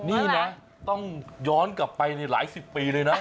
นี่นะต้องย้อนกลับไปในหลายสิบปีเลยนะ